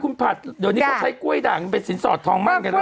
คุณผัดเดี๋ยวนี้เขาใช้กล้วยด่างมันเป็นสินสอดทองมั่นกันแล้ว